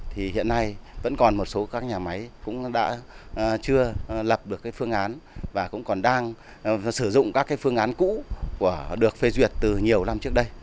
thì hiện nay vẫn còn một số các nhà máy cũng đã chưa lập được phương án và cũng còn đang sử dụng các phương án cũ được phê duyệt từ nhiều năm trước đây